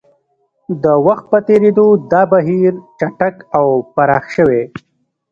د وخت په تېرېدو دا بهیر چټک او پراخ شوی.